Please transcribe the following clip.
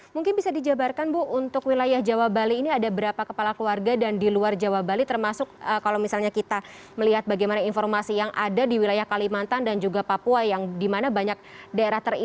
mungkin bisa dijabarkan bu untuk wilayah jawa bali ini ada berapa kepala keluarga dan di luar jawa bali termasuk kalau misalnya kita melihat bagaimana informasi yang ada di wilayah kalimantan dan juga papua